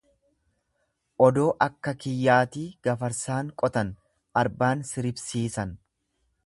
Odoo akka kiyyaatii gafarsaan qotan arbaan siribsiisan.